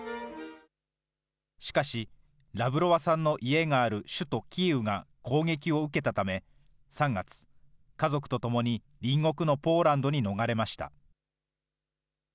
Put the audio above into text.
しかし、ラブロワさんの家がある首都キーウが攻撃を受けたため、３月、家族とともに隣国のポーランドに逃れました。